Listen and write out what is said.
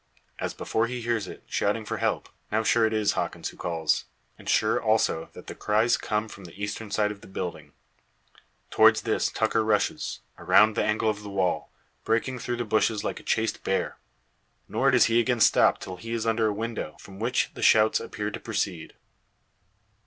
As before he hears it, shouting for help, now sure it is Hawkins who calls. And sure, also, that the cries come from the eastern side of the building. Towards this Tucker rushes, around the angle of the wall, breaking through the bushes like a chased bear. Nor does he again stop till he is under a window, from which the shouts appear to proceed.